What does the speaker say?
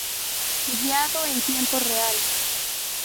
Guiado en tiempo real.